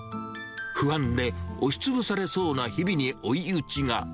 不安で押しつぶされそうな日々に追い打ちが。